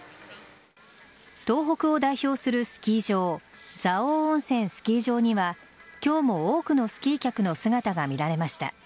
東北を代表するスキー場蔵王温泉スキー場には今日も多くのスキー客の姿が見られました。